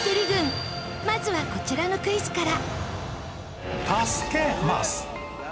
まずはこちらのクイズから。